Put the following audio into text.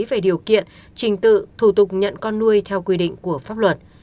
về điều kiện trình tự thủ tục nhận con nuôi theo quy định của pháp luật